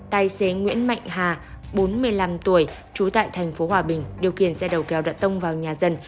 tài xế nguyễn mạnh hà bốn mươi năm tuổi trú tại thành phố hòa bình điều kiện xe đầu kéo đặt tông vào nhà dân